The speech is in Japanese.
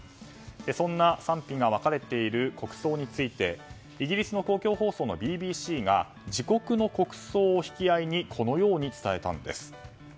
そんな賛否が分かれている国葬についてイギリスの公共放送のＢＢＣが自国の国葬を引き合いにこのように伝えたんです。